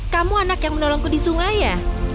kamu anak yang menolongku di sungai ya